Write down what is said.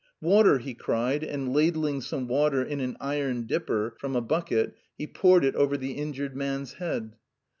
"Water!" he cried, and ladling some water in an iron dipper from a bucket, he poured it over the injured man's head.